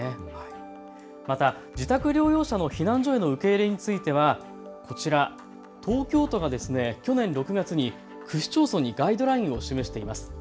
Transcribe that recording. また自宅療養者の避難所への受け入れについてはこちら東京都は去年６月に区市町村にガイドラインを示しています。